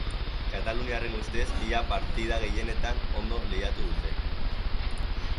Kataluniarraren ustez, ia partida gehienetan ondo lehiatu dute.